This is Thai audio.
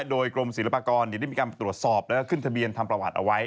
โดยกรมศิลปากรได้มีการตรวจสอบแล้วก็ขึ้นทะเบียนทำประวัติเอาไว้